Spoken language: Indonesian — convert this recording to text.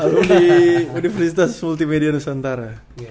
alumni universitas multimedia nusantara